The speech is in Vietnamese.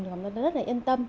thì cảm thấy rất là yên tâm